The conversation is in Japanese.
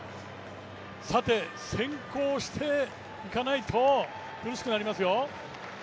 さて、先行していかないと苦しくなりますよ。